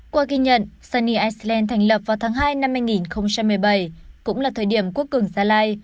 qua ghi nhận sany iceland thành lập vào tháng hai năm hai nghìn một mươi bảy cũng là thời điểm quốc cường gia lai